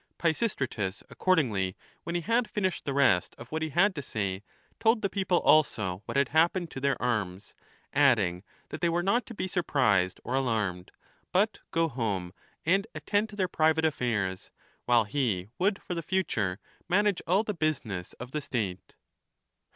Pisistratus accordingly, when he had finished the rest of what he had to say, told the people also what had happened to their arms ; adding that they were not to be surprised or alarmed, but go home and attend to their CH. ifi.J ATHENIAN CONSTITUTION. 27 private affairs, while he would for the future manage all the business of the state.